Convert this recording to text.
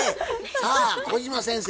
さあ小島先生